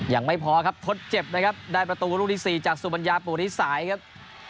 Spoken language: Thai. ยังไม่พอครับทดเจ็บนะครับได้ประตูลูกที่๔จากสุบัญญาปุริสายครับ